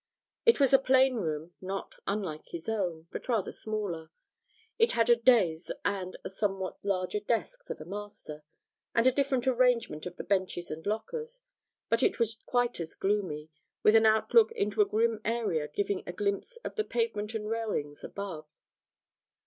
It was a plain room, not unlike his own, but rather smaller; it had a daïs with a somewhat larger desk for the master, and a different arrangement of the benches and lockers, but it was quite as gloomy, with an outlook into a grim area giving a glimpse of the pavement and railings above.